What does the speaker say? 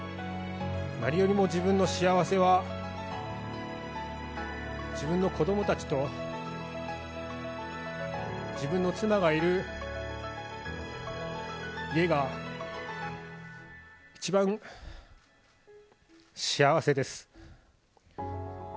何よりも自分の幸せは、自分の子どもたちと自分の妻がいる家が一番幸せです。